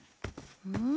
うん？